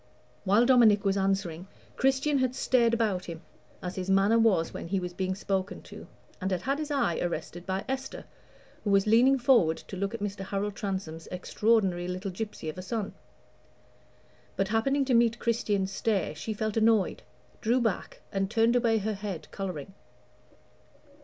While Dominic was answering, Christian had stared about him, as his manner was when he was being spoken to, and had had his eyes arrested by Esther, who was leaning forward to look at Mr. Harold Transome's extraordinary little gypsy of a son. But, happening to meet Christian's stare, she felt annoyed, drew back, and turned away her head, coloring.